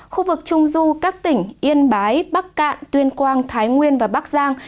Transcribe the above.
khu vực trung du các tỉnh yên bái bắc cạn tuyên quang thái nguyên và bắc giang